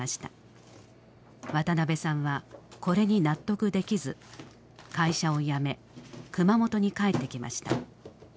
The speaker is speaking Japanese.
渡辺さんはこれに納得できず会社を辞め熊本に帰ってきました。